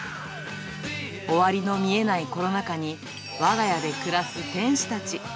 終わりの見えないコロナ禍に、わが家で暮らす天使たち。